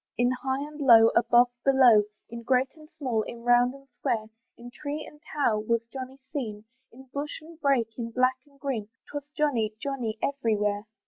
In high and low, above, below, In great and small, in round and square, In tree and tower was Johnny seen, In bush and brake, in black and green, 'Twas Johnny, Johnny, every where.